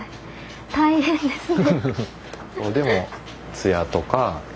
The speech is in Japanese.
大変ですね。